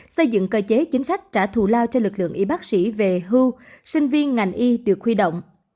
xây dựng cơ chế chính sách trả thù lao cho lực lượng y bác sĩ về hưu sinh viên ngành y được huy động